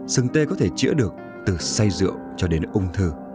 sừng tê có thể chữa được từ xay rượu cho đến ung thư